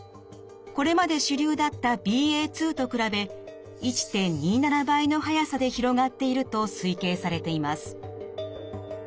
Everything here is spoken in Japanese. これまで主流だったＢＡ．２と比べ１．２７倍の速さで広がっていると推計されています。